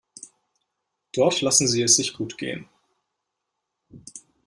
Dort lassen sie es sich gut gehen.